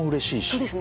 そうですね。